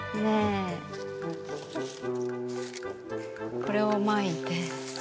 これをまいて。